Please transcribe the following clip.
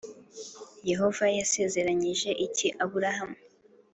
Yehova yasezeranyije iki Aburahamu